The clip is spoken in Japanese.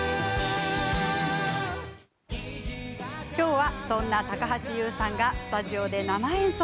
今日はそんな高橋優さんがスタジオで生演奏。